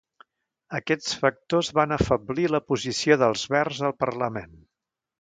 Aquests factors van afeblir la posició dels Verds al parlament.